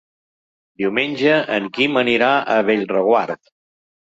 Diumenge en Quim anirà a Bellreguard.